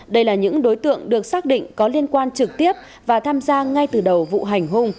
đây là những đối tượng được xác định có liên quan trực tiếp và tham gia ngay từ đầu vụ hành hung